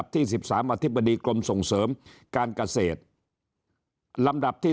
๑๓อธิบดีกรมส่งเสริมการเกษตร